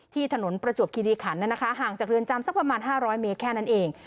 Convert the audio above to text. ถนนประจวบคิริขันห่างจากเรือนจำสักประมาณ๕๐๐เมตรแค่นั้นเอง